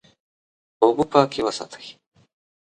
اوبه پاکې وساتئ.